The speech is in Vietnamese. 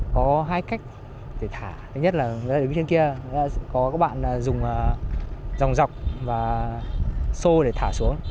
có hai cách để thả thứ nhất là đứng trên kia có các bạn dùng dòng dọc và xô để thả xuống